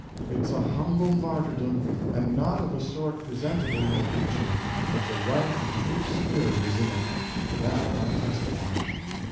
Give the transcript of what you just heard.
It's a humble martyrdom, and not of a sort presentable in a picture, but the right and true spirit is in it; that I testify."